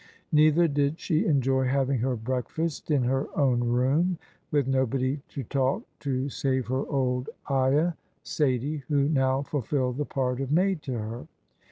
Neither did she enjoy having her break fast in her own room, with nobody to talk to save her old ayah, Saidie, who now fulfilled the part of maid to her.